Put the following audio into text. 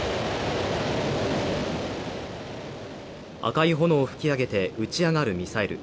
赤い炎を吹き上げて打ち上がるミサイル。